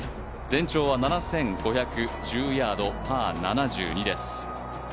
全長は７５１０ヤード、パー７２です。